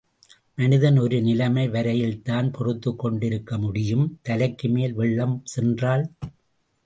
மனிதன் ஒரு நிலைமை வரையில்தான் பொறுத்துக் கொண்டு இருக்க முடியும் தலைக்கு மேல் வெள்ளம் சென்றால்?